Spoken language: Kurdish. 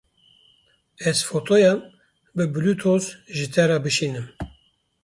Ez fotoyan bi Bilutoz ji te re bişînim.